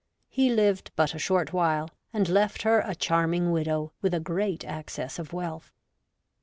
He lived but a short while, and left her a charming widow with a great access of wealth.